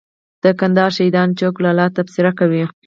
د کندهار شهیدانو چوک لالا تبصره کوي.